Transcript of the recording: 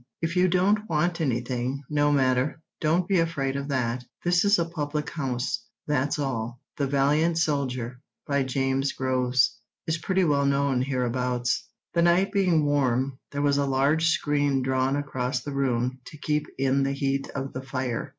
If you don't want anything, no matter. Don't be afraid of that. This is a public house, that's all. The 'Valiant Soldier,' by James Groves, is pretty well known hereabouts." The night being warm, there was a large screen drawn across the room to keep in the heat of the fire.